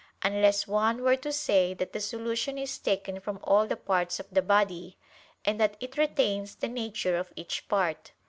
Unless one were to say that the solution is taken from all the parts of the body, and that it retains the nature of each part.